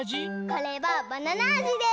これはバナナあじです！